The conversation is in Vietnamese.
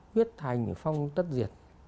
huyết thành phong tất diệt